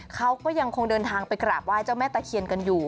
เขาก็ยังคงเดินทางไปกราบไห้เจ้าแม่ตะเคียนกันอยู่